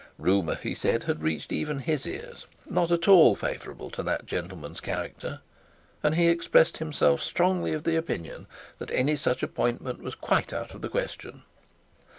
Rumour, he said, had reached even his ears not at all favourable to that gentleman's character, and he expressed himself strongly of the opinion that any such appointment was quite out of the question.